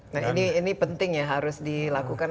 nah ini penting ya harus dilakukan